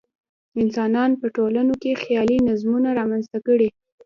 انسانانو په ټولنو کې خیالي نظمونه رامنځته کړي.